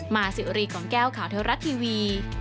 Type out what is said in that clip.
มาสิริของแก้วข่าวเท้ารัดทีวี